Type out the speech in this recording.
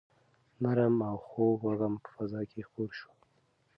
نرم او خوږ وږم په فضا کې خپور شو.